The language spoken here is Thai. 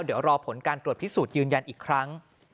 เดี๋ยวรอผลการตรวจพิสูจน์ยืนยันอีกครั้ง